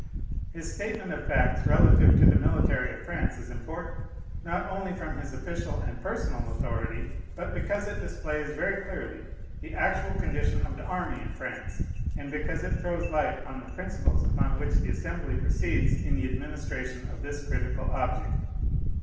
His statement of facts relative to the military of France is important, not only from his official and personal authority, but because it displays very clearly the actual condition of the army in France, and because it throws light on the principles upon which the Assembly proceeds in the administration of this critical object.